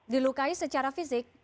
dilukai secara fisik